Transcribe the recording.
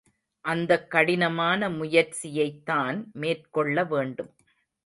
அந்தக் கடினமான முயற்சியைத்தான் மேற்கொள்ள வேண்டும்.